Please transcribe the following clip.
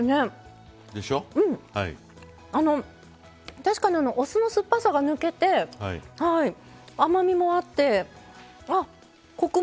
確かにお酢の酸っぱさが抜けて甘みもあってコクもあります。